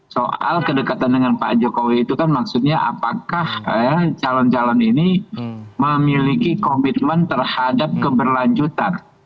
soal kedekatan dengan pak jokowi itu kan maksudnya apakah calon calon ini memiliki komitmen terhadap keberlanjutan